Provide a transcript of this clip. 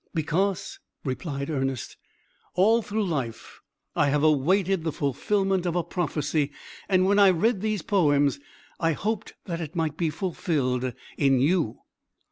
"Because," replied Ernest, "all through life I have awaited the fulfilment of a prophecy; and, when I read these poems, I hoped that it might be fulfilled in you."